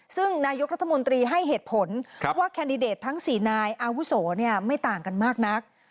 ซึ่งนายกรัฐมนตรีให้เหตุผลว่าแคนดิเดตทั้ง๔นายอาวุโสไม่ต่างกันมากนัก